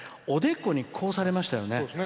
おでこにこうされましたよね。